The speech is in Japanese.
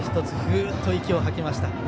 １つ、ふっと息を吐きました。